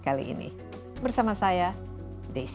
kali ini bersama saya desi